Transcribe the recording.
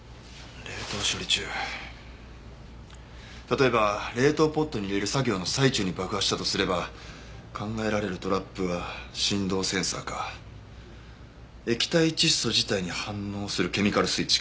例えば冷凍ポッドに入れる作業の最中に爆破したとすれば考えられるトラップは振動センサーか液体窒素自体に反応するケミカルスイッチか。